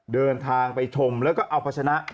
เดินทางไปชมแล้วก็เอาพัชนะ